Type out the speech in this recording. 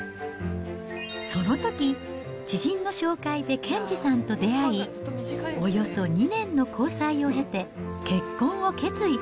そのとき、知人の紹介で賢治さんと出会い、およそ２年の交際を経て、結婚を決意。